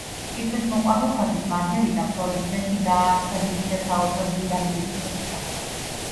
კითხვის მოყვარულთათვის, მარგერიტამ ფლორენციაში დააარსა დიდი და საოცრად მდიდარი ბიბლიოთეკა.